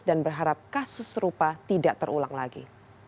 dan berharap kasus serupa tidak terulang lagi